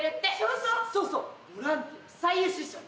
そうそうボランティア最優秀賞。